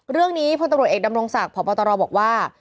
เรื่องนี้พตำรวจเอกดำรงศักดิ์พบตรบอกว่า